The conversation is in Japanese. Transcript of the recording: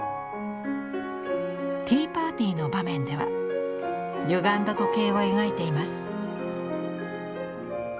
ティーパーティーの場面ではゆがんだ時計を描いています。